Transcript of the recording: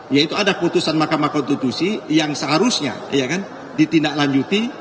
yaitu ada keputusan mahkamah konstitusi yang seharusnya iya kan ditindaklanjuti